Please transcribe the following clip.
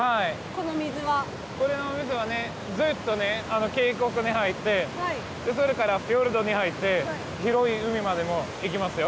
この水はねずっとね渓谷に入ってそれからフィヨルドに入って広い海までも行きますよ。